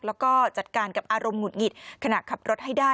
แล้วก็จัดการกับอารมณ์หุดหงิดขณะขับรถให้ได้